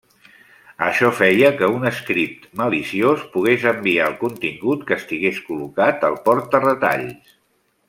Això feia que un script maliciós pogués enviar el contingut que estigués col·locat al porta-retalls.